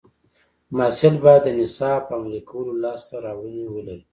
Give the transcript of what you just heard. محصل باید د نصاب په عملي کولو لاسته راوړنې ولري.